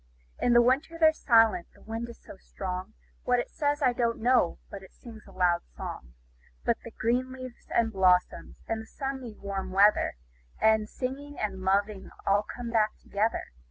In the winter they're silent the wind is so strong; What it says, I don't know, but it sings a loud song. But green leaves, and blossoms, and sunny warm weather, 5 And singing, and loving all come back together.